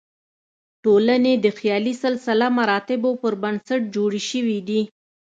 ټولنې د خیالي سلسله مراتبو پر بنسټ جوړې شوې دي.